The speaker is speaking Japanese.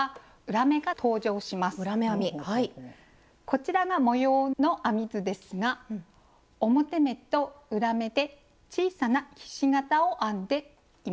こちらが模様の編み図ですが表目と裏目で小さなひし形を編んでいます。